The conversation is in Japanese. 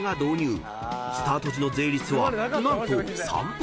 ［スタート時の税率は何と３％］